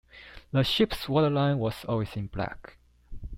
The ship's waterline was always in black.